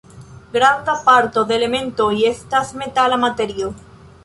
Granda parto de elementoj estas metala materio.